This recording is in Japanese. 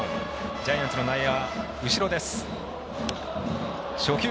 ジャイアンツの内野、後ろです。